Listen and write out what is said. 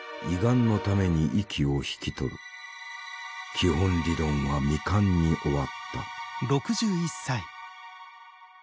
「基本理論」は未完に終わった。